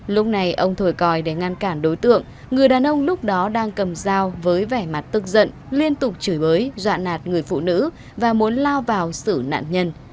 lúc này ông thổi còi để ngăn cản đối tượng người đàn ông lúc đó đang cầm dao với vẻ mặt tức giận liên tục chửi bới dọa nạt người phụ nữ và muốn lao vào xử nạn nhân